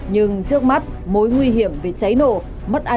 nhưng trước mắt mối nguy hiểm về cháy nổ mất an ninh trở lại